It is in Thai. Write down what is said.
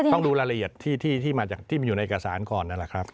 ต้องดูรายละเอียดที่มาจากที่มันอยู่ในเอกสารก่อนนั่นแหละครับ